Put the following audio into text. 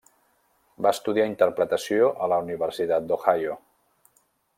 Va estudiar Interpretació a la Universitat d'Ohio.